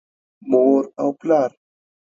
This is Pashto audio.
مور او پلار